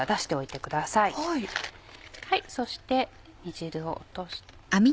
そして煮汁を落とし。